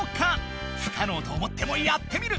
ふかのうと思ってもやってみる！